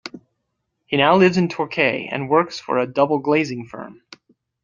He now lives in Torquay, and works for a double glazing firm.